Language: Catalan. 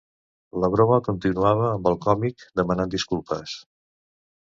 La broma continuava amb el còmic demanant disculpes.